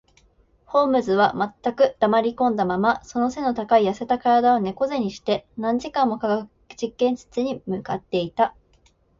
ホームズは全く黙りこんだまま、その脊の高い痩せた身体を猫脊にして、何時間も化学実験室に向っていた